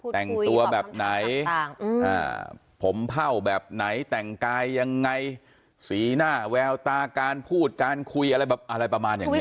แต่งตัวแบบไหนผมเผ่าแบบไหนแต่งกายยังไงสีหน้าแววตาการพูดการคุยอะไรแบบอะไรประมาณอย่างนี้